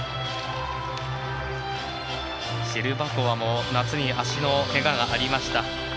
シェルバコワも夏に足のけががありました。